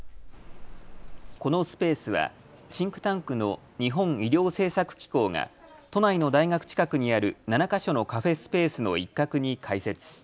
このスペースはシンクタンクの日本医療政策機構が都内の大学近くにある７か所のカフェスペースの一角に開設。